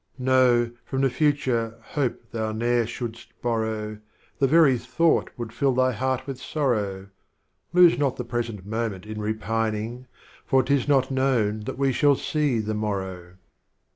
No, From the Future, Hope thou ne'er shouldst borrow. The very Thought would fill thy Heart with Sorrow, Lose not the Present Moment in Repining, For 't is not known that we shall see the Morrow.